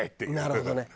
なるほどね。